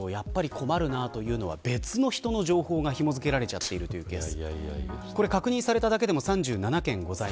困るなというのは別人の情報がひも付けられているケース。